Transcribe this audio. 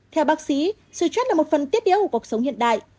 theo bác sĩ sự chết là một phần tiết yếu của cuộc sống hiện đại